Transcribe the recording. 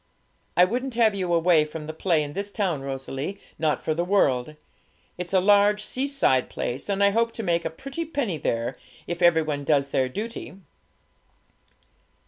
'I wouldn't have you away from the play in this town, Rosalie, not for the world. It's a large seaside place, and I hope to make a pretty penny there, if every one does their duty.'